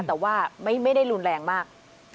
แต่ว่าไม่ได้รุนแรงมาก